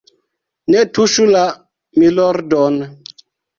ne tuŝu la _milordon_.